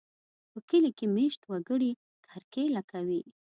په کلي کې مېشت وګړي کرکېله کوي.